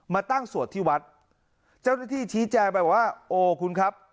มาตั้งสวดที่วัดเจ้าหน้าที่ชี้แจงไปว่าโอ้คุณครับ